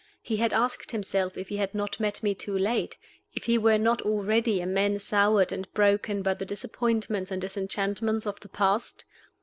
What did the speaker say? He had asked himself if he had not met me too late if he were not already a man soured and broken by the disappointments and disenchantments of the past?